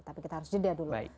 tapi kita harus jeda dulu